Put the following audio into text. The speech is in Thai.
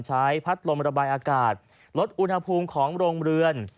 ใช้พัดลมระบายอากาศลดอุณหภูมิของโรงเรือน